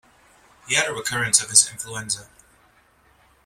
He had a recurrence of his influenza.